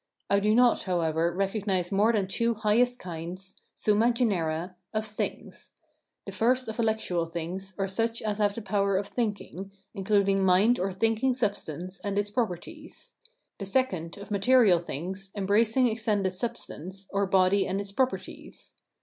I do not, however, recognise more than two highest kinds (SUMMA GENERA) of things; the first of intellectual things, or such as have the power of thinking, including mind or thinking substance and its properties; the second, of material things, embracing extended substance, or body and its properties.